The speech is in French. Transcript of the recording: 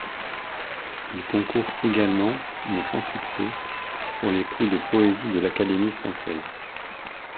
Il concourut également, mais sans succès, pour les prix de poésie de l'Académie française.